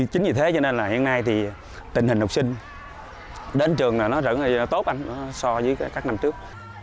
chính vì thế cho nên là hiện nay thì tình hình học sinh đến trường nó vẫn tốt so với các năm trước